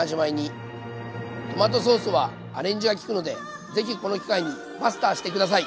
トマトソースはアレンジがきくので是非この機会にマスターして下さい！